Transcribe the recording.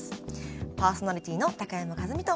パーソナリティーの高山一実と。